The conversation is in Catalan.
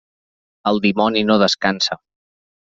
El dimoni no descansa.